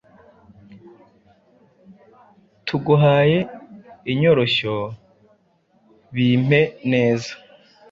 tuguhaye, Inyoroshyo, Bimpe neza,